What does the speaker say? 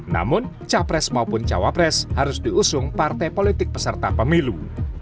namun capres maupun cawapres harus diusung partai politik peserta pemilu